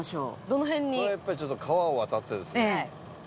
これはやっぱりちょっと川を渡ってですね。